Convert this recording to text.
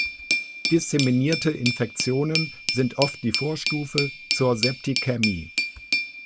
Disseminierte Infektionen sind oft die Vorstufe zur Septikämie.